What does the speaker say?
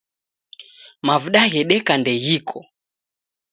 Mavuda ghedeka ndeghiko